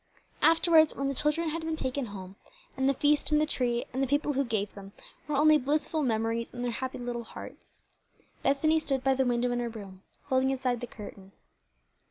Afterward, when the children had been taken home, and the feast and the tree, and the people who gave them, were only blissful memories in their happy little hearts, Bethany stood by the window in her room, holding aside the curtain.